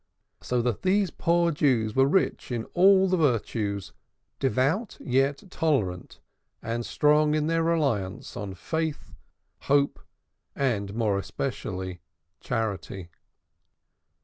So that these poor Jews were rich in all the virtues, devout yet tolerant, and strong in their reliance on Faith, Hope, and more especially Charity.